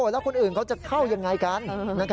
แล้วคนอื่นเขาจะเข้ายังไงกัน